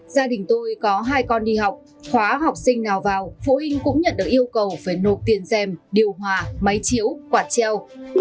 gia đình tôi có hai con đi học khóa học sinh nào vào phụ huynh cũng nhận được yêu cầu phải nộp tiền dèm điều hòa máy chiếu quạt treo